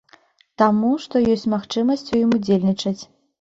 Таму, што ёсць магчымасць у ім удзельнічаць.